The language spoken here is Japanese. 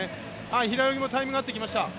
平泳ぎもタイミング合ってきました。